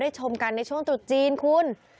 ชมกันในช่วงตรุษจีนคุณ